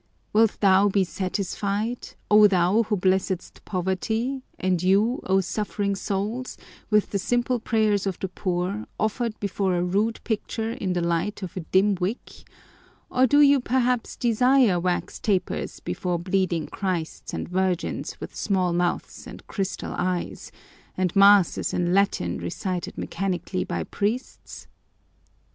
Wilt Thou be satisfied, O Thou who blessedst poverty, and you, O suffering souls, with the simple prayers of the poor, offered before a rude picture in the light of a dim wick, or do you perhaps desire wax tapers before bleeding Christs and Virgins with small mouths and crystal eyes, and masses in Latin recited mechanically by priests?